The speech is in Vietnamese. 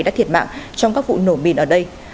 đã thiệt mạng trong các vụ nổ mìn ở đây